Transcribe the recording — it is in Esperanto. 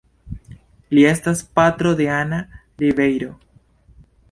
Li estas patro de Ana Ribeiro.